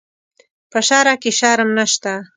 په شرعه کې شرم نشته.